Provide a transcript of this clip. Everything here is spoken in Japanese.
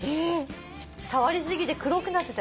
触りすぎて黒くなってたよね。